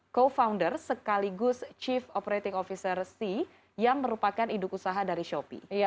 co founder sekaligus chief operating officer sea yang merupakan induk usaha dari shopee